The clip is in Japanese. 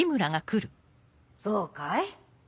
そうかい？